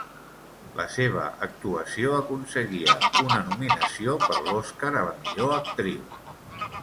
La seva actuació aconseguia una nominació per l'Oscar a la millor actriu.